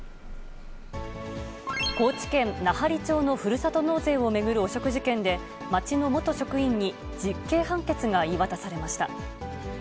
高知県奈半利町のふるさと納税を巡る汚職事件で、町の元職員に実刑判決が言い渡されました。